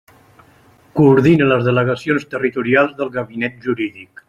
Coordina les delegacions territorials del Gabinet Jurídic.